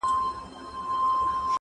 په والله چي ته هغه یې بل څوک نه یې--!